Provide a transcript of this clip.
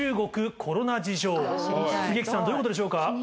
槻木さんどういうことでしょうか？